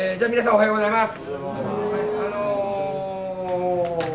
おはようございます。